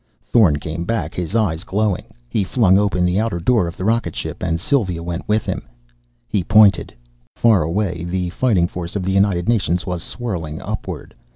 Thorn came back, his eyes glowing. He flung open the outer door of the rocket ship, and Sylva went to him. He pointed. Far away, the Fighting Force of the United Nations was swirling upward.